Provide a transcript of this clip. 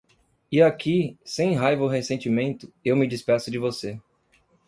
E aqui, sem raiva ou ressentimento, eu me despeço de você.